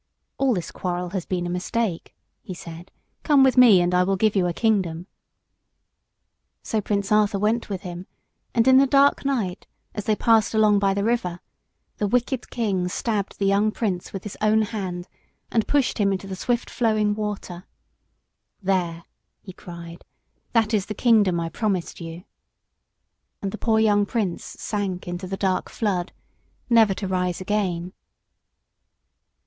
"All this quarrel has been a mistake," he said; "come with me and I will give you a kingdom." So Prince Arthur went with him, and in the dark night, as they passed along by the river, the wicked King stabbed the young Prince with his own hand, and pushed him into the swift flowing water. "There," he cried, "that is the kingdom I promised you." And the poor young Prince sank into the dark flood, never to rise again.